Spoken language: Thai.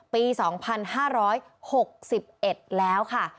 ปี๒๕๖๑แล้วค่ะ